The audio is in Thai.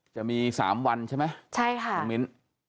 จะมี๓วันใช่ไหมคุณหมิ้น